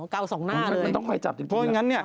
อ๋อเก่าสองหน้าเลยมันต้องคอยจับจริงนะเพราะฉะนั้นเนี่ย